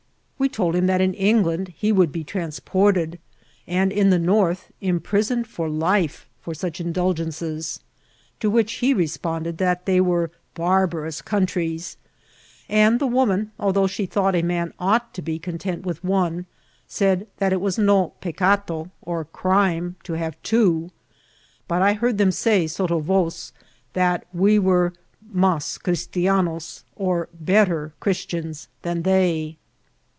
We told him that in England he would be transported, and in the North imprisoned for life for such indulgences, to which he responded that they were barbarous countries; and the woman, al though she thought a man ought to be content with one, said that it was no peeeato at crime to have two ; but I heard them say, satio voce^ that we were ^^ mas Christianos," <nr better Christians than they.